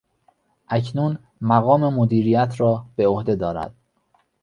اکنون مقام مدیریت را به عهده دارد.